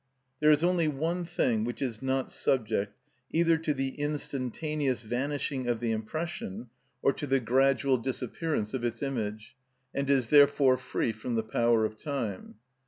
There is only one thing which is not subject either to the instantaneous vanishing of the impression or to the gradual disappearance of its image, and is therefore free from the power of time.